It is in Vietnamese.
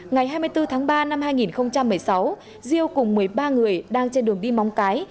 ngày hai mươi bốn tháng ba năm hai nghìn một mươi sáu diêu cùng một mươi ba người đang trên đường đi móng cái